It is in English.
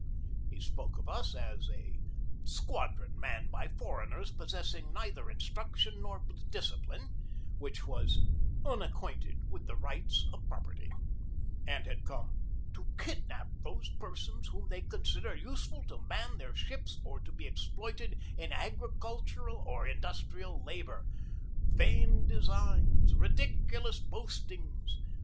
He spoke of us as a "squadron manned by foreigners possessing neither instruction nor discipline/' which was "unacquainted with the rights of property" and had come "to kidnap those persons whom they consider useful to man their ships or to be exploited in agricultural or indus trial labor. ... Vain designs! Ridiculous boastings!